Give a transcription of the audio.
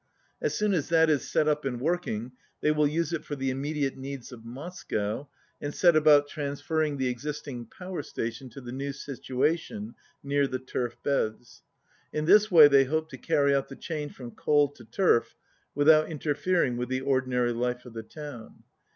As soon as that is set up and working, they will use it for the immediate needs of Moscow, and set about transferring the existing power station to the new situation near the turf beds. In this way they hope to carry out the change from coal to turf without interfering with the ordinary life of the town.